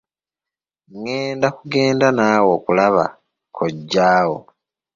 Ngenda kugenda nawe okulaba kojja wo.